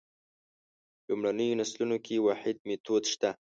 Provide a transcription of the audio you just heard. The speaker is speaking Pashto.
لومړنیو نسلونو کې واحد میتود شته.